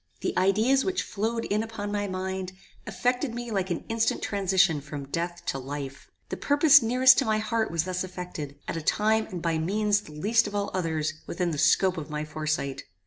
The ideas which flowed in upon my mind, affected me like an instant transition from death to life. The purpose dearest to my heart was thus effected, at a time and by means the least of all others within the scope of my foresight.